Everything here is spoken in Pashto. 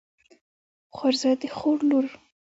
خورزه د خور لور.